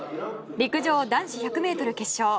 陸上、男子１００ｍ決勝。